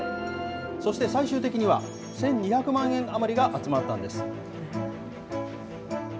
そして最終的には、１２００万円余りが集まったんです。